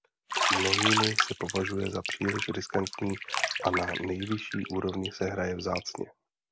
Mnohými se považuje za příliš riskantní a na nejvyšší úrovni se hraje vzácně.